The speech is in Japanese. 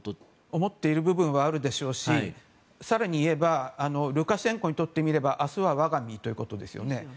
思っている部分はあるでしょうし更に言えばルカシェンコにとってみれば明日は我が身ということです。